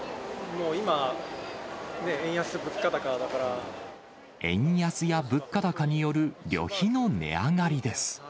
もう今、円安や物価高による旅費の値上がりです。